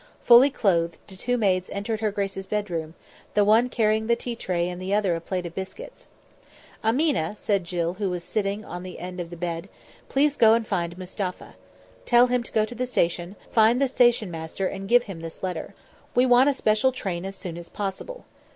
Fully clothed, the two maids entered her grace's bedroom, the one carrying the tea tray and the other a plate of biscuits. "Ameena," said Jill, who was sitting on the end of the bed, "please go and find Mustapha. Tell him to go to the station, find the station master and give him this letter. We want a special train as soon as possible.